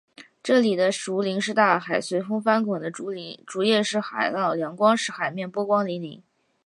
这里的竹林是大海，随风翻滚的竹叶是海浪，阳光使“海面”波光粼粼。